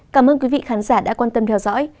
cảm ơn quý vị khán giả đã quan tâm theo dõi